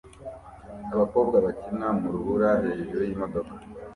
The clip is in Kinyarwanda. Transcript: abakobwa bakina mu rubura hejuru yimodoka